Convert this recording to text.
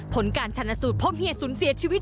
ผลการชนสูตรพวกเหยียดศูนย์เสียชีวิต